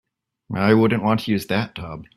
I wouldn't want to use that tub.